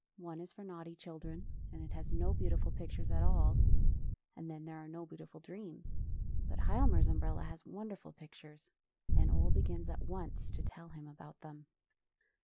One is for naughty children, and it has no beautiful pictures at all, and then there are no beautiful dreams. But Hial mar's umbrella has wonderful pictures, and Ole begins at once to tell him about .them.